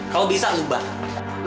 kalau bisa lu bakal